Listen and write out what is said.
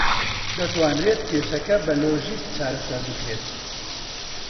دەتوانرێت کێشەکە بە لۆژیک چارەسەر بکرێت.